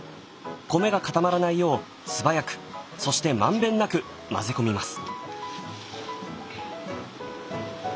米が固まらないよう素早くそして満遍なく混ぜ込みます。